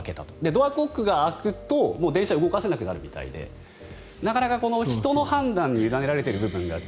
ドアコックが開くともう電車を動かせなくなるみたいでなかなか人の判断に委ねられてる部分が。